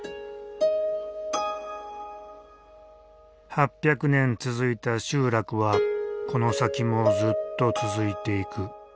８００年続いた集落はこの先もずっと続いていく。